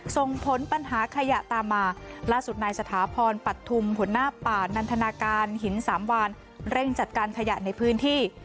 ส่งผลปัญหาขยะตามมาล่าสุดนายสถาพรปัทธุมหัวหน้าป่านันทนาการหินสามวานเร่งจัดการขยะในพื้นที่